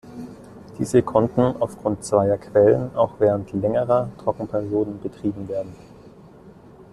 Diese konnten aufgrund zweier Quellen auch während längerer Trockenperioden betrieben werden.